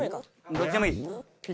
どっちでもいい。